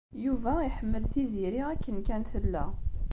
Yuba iḥemmel Tiziri akken kan tella.